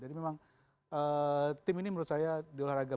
jadi memang tim ini menurut saya diolahraga berat